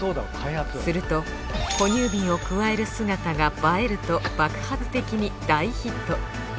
すると哺乳瓶をくわえる姿が映えると爆発的に大ヒット。